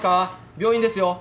病院ですよ。